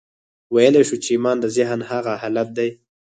ويلای شو چې ايمان د ذهن هغه حالت دی.